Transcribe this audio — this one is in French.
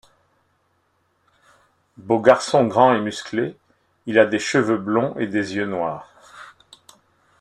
Beau garçon grand et musclé, il a des cheveux blonds et des yeux noir.